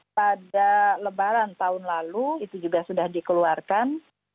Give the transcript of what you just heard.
pada lebaran tahun lalu itu juga sudah dikeluarkan